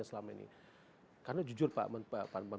keluar dari zona nyamannya selama ini